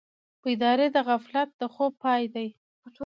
بیداري د غفلت د خوب پای دی.